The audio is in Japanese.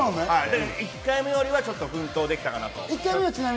１回目よりは奮闘できたかなと。